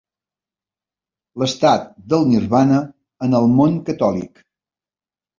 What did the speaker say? L'estat del nirvana en el món catòlic.